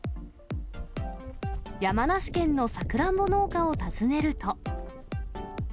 山梨県のさくらんぼ農家を訪ねると。